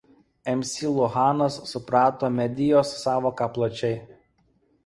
McLuhanas suprato „medijos“ sąvoką plačiai.